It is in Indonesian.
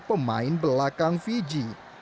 pemain belakang fiji